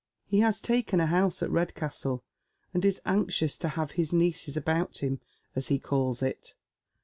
He has taken a house at Redcastle, and is anxious to hav« his nieces about hira, as he calls it.